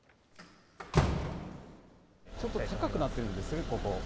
ちょっと高くなってるんですね、ここ。